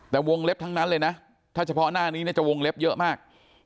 แต่วงเล็บทั้งนั้นเลยนะถ้าเฉพาะหน้านี้เนี่ยจะวงเล็บเยอะมาก